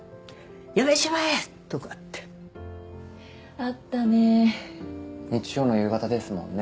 「やめちまえ！」とかってあったね日曜の夕方ですもんね